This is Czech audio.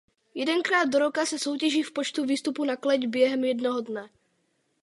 Jedenkrát do roka se soutěží v počtu výstupu na Kleť během jednoho dne.